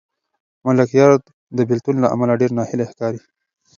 ملکیار د بېلتون له امله ډېر ناهیلی ښکاري.